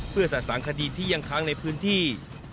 เพื่อสะสางคดีที่ยังค้างในพื้นที่